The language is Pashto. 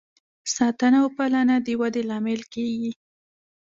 ساتنه او پالنه د ودې لامل کیږي.